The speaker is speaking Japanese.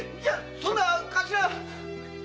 そんな頭。